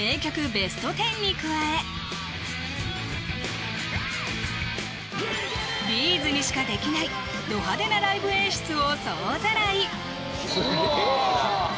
ベスト１０に加え「Ｂ’ｚ」にしかできないド派手なライブ演出を総ざらい！